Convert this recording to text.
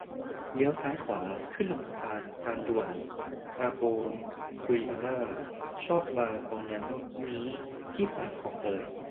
เลี้ยวซ้ายขวา ขึ้นลงสะพาน ทางด่วน อาโกวคุยอาม่าชอบมาตรงนั้นนี้ที่ผ่าน คลองเตย